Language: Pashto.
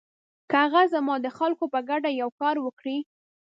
که هغه زما د خلکو په ګټه یو کار وکړي.